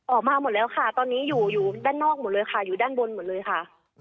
ออกมาหมดแล้วค่ะตอนนี้อยู่อยู่ด้านนอกหมดเลยค่ะอยู่ด้านบนหมดเลยค่ะ